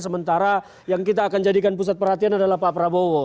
sementara yang kita akan jadikan pusat perhatian adalah pak prabowo